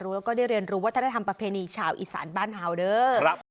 แล้วก็ได้เรียนรู้ว่าท่านได้ทำประเพณีชาวอีสานบ้านหาวด้วย